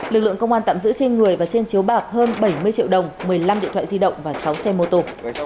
lực lượng công an tạm giữ trên người và trên chiếu bạc hơn bảy mươi triệu đồng một mươi năm điện thoại di động và sáu xe mô tô